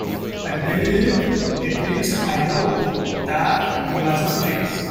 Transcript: I believe — at least I know — that he was not rich.